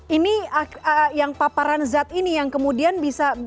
ini yang paparan zat ini yang kemudian bisa